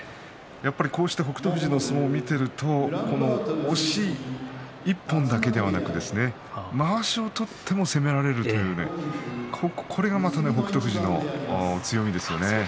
こうして北勝富士の相撲を見ていると、押し一本だけではなくまわしを取っても攻められるというこれがまた北勝富士の強みですよね。